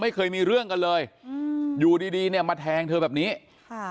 ไม่เคยมีเรื่องกันเลยอืมอยู่ดีดีเนี่ยมาแทงเธอแบบนี้ค่ะ